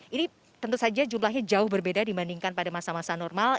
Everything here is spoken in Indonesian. ini tentu saja jumlahnya jauh berbeda dibandingkan pada masa masa normal